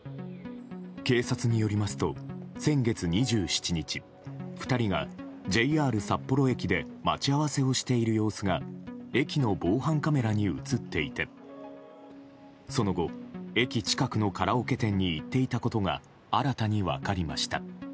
警察によりますと、先月２７日２人がＪＲ札幌駅で待ち合わせをしている様子が駅の防犯カメラに映っていてその後、駅近くのカラオケ店に行っていたことが新たに分かりました。